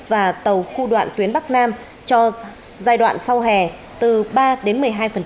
và tàu khu đoạn tuyến bắc nam cho giai đoạn sau hè từ ba đến một mươi hai